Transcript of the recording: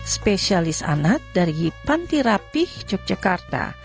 spesialis anak dari pantirapih yogyakarta